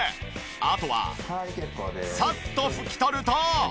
あとはサッと拭き取ると。